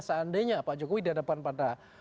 seandainya pak jokowi dihadapkan pada